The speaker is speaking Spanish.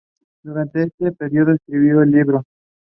Durante este período escribió el libro.